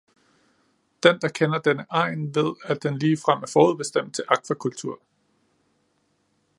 Den, der kender denne egn, ved, at den ligefrem er forudbestemt til akvakultur.